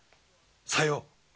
さよう。